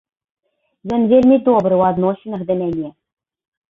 Ён вельмі добры ў адносінах да мяне.